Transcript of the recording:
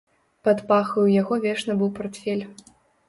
Пад пахаю яго вечна быў партфель.